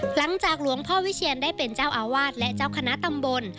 หลังจากหลวงพ่อวิเชียนได้เป็นเจ้าอาวาสและเจ้าคณะตำบล